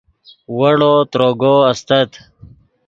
ویڑو تروگو استت